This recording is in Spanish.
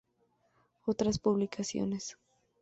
Otras publicaciones